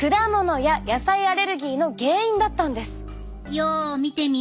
よう見てみ。